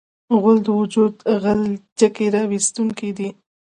غول د وجود غلچکي راایستونکی دی.